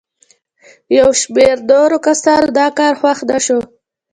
یو شمېر نورو کسانو دا کار خوښ نه شو.